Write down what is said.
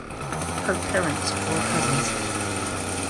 Her parents were cousins.